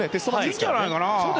いいんじゃないかな？